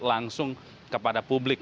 langsung kepada publik